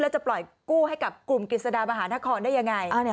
แล้วจะปล่อยกู้ให้กับกลุ่มกฤษฎามหาธครได้อย่างไร